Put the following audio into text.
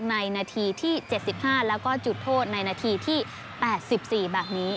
นาทีที่๗๕แล้วก็จุดโทษในนาทีที่๘๔แบบนี้